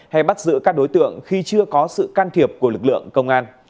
hay bắt giữ các đối tượng khi chưa có sự can thiệp của lực lượng công an